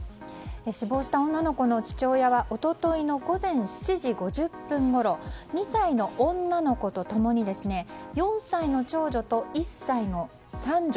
死亡した女の子の父親は一昨日の午前７時５０分ごろ２歳の女の子と共に４歳の長女と１歳の三女